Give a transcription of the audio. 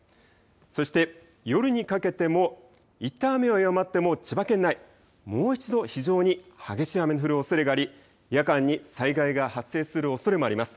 そして夜にかけてもいったん雨は弱まっても千葉県内、もう一度非常に激しい雨の降るおそれがあり、夜間に災害が発生するおそれもあります。